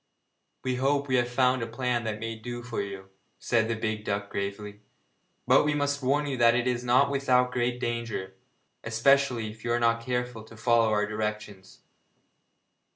'We hope we have found a plan that may do for you,' said the big duck gravely, 'but we must warn you that it is not without great danger, especially if you are not careful to follow our directions.'